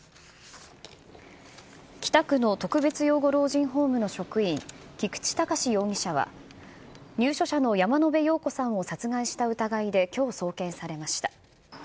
北区の特別養護老人ホームの職員、菊池隆容疑者は入所者の山野辺陽子さんを殺害した疑いできょう送検されました。